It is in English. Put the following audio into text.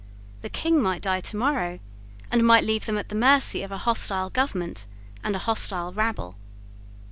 The King might die tomorrow, and might leave them at the mercy of a hostile government and a hostile rabble.